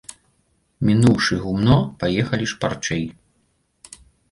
Мінуўшы гумно, паехалі шпарчэй.